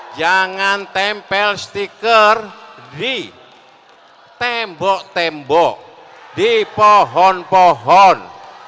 jangan tempel stiker di tembok tembok di pohon pohon